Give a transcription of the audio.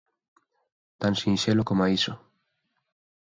Tan sinxelo coma iso.